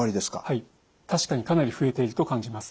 はい確かにかなり増えていると感じます。